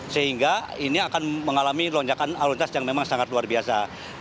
sehingga ini akan mengalami lonjakan aluritas yang memang sangat luar biasa